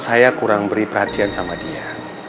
saya akan lebih perhatian sama dia